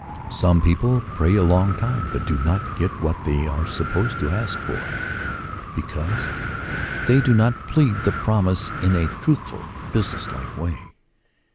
Some people pray a long time, but do not get what they are supposed to ask for, because they do not plead the promise in a truthful, business like way.